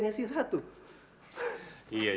nanti aku simpen